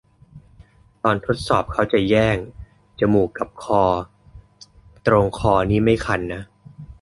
ตอนทดสอบเขาจะแย่ง จมูกกับคอ ตรงคอนี่ไม่คันนะ